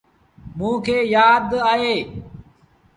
موݩ کي يآدا اهيݩ۔